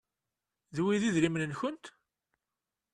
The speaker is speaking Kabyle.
D wi i d idrimen-nkent?